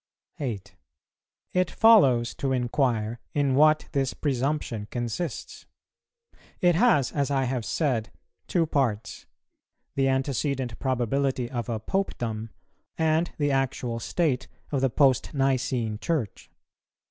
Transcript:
8. It follows to inquire in what this presumption consists? It has, as I have said, two parts, the antecedent probability of a Popedom, and the actual state of the Post nicene Church.